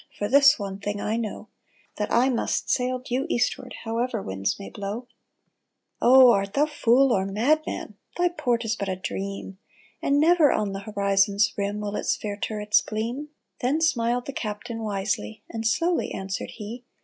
For this one thing I know, That I must sail due eastward However winds may blow !"" Oh, art thou fool or madman ? Thy port is but a dream, And never on the horizon's rim Will its fair turrets gleam." Then smiled the captain wisely, And slowly answered he.